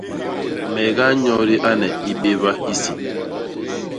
Me ganyodi ane i béba hisi.